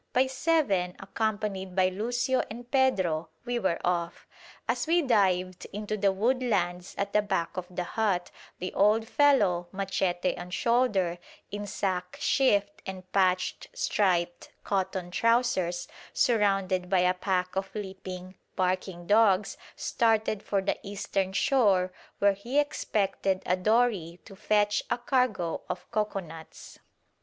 By seven, accompanied by Lucio and Pedro, we were off. As we dived into the woodlands at the back of the hut, the old fellow, machete on shoulder, in sack shift and patched striped cotton trousers, surrounded by a pack of leaping, barking dogs, started for the eastern shore, where he expected a dory to fetch a cargo of cocoanuts.